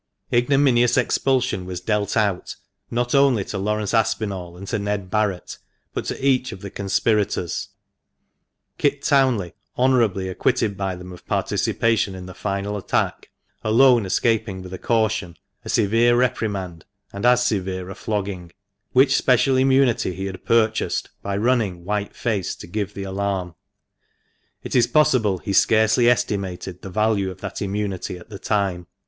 Ignominious expulsion was dealt out not only to Laurence Aspinall and to Ned Barret, but to each of the conspirators — Kit Townley, honourably acquitted by them of participation in the final attack, alone escaping with a caution, a severe reprimand, and as severe a flogging ; which special immunity he had purchased by running white faced to give the alarm. It is possible he scarcely estimated the value of that immunity at the time.